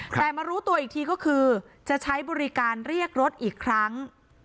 แต่มารู้ตัวอีกทีก็คือจะใช้บริการเรียกรถอีกครั้ง